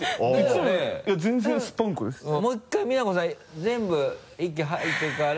もう１回みなこさん全部息吐いてから。